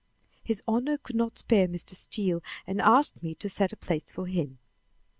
His Honor could not spare Mr. Steele and asked me to set a place for him."